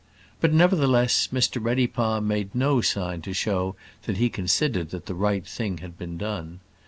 But, nevertheless, Mr Reddypalm made no sign to show that he considered that the right thing had been done.